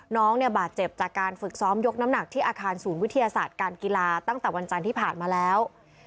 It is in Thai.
น้องเนี่ยบาดเจ็บจากการฝึกซ้อมยกน้ำหนักที่อาคารศูนย์วิทยาศาสตร์การกีฬาตั้งแต่วันจันทร์ที่ผ่านมาแล้ว